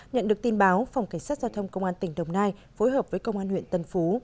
nhận được tin báo phòng cảnh sát giao thông công an tỉnh đồng nai phối hợp với công an huyện tân phú